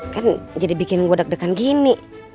kan jadi bikin gue deg degan gini